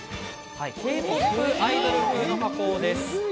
Ｋ−ＰＯＰアイドル風の加工です。